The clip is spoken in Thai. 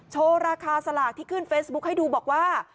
โชว์ราคาสลากที่ขึ้นเฟซบุ๊คให้ดูบอกว่า